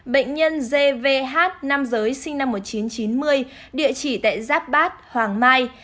bệnh nhân gvh nam giới sinh năm một nghìn chín trăm chín mươi địa chỉ tại giáp bát hoàng mai